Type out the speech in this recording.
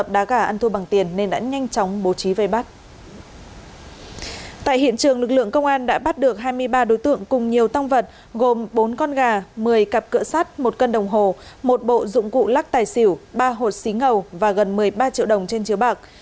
tại hiện trường lực lượng công an đã bắt được hai mươi ba đối tượng cùng nhiều tăng vật gồm bốn con gà một mươi cặp cỡ sắt một cân đồng hồ một bộ dụng cụ lắc tài xỉu ba hột xí ngầu và gần một mươi ba triệu đồng trên chiếu bạc